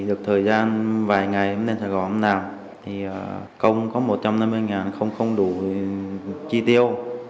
được thời gian vài ngày đến sài gòn làm công có một trăm năm mươi không đủ chi tiêu